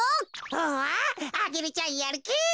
おわアゲルちゃんやるき！